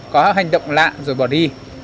có hành động lạ rồi bỏ đi